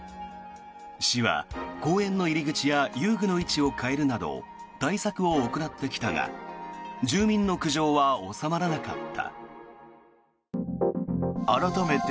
市は公園の入り口や遊具の位置を変えるなど対策を行ってきたが住民の苦情は収まらなかった。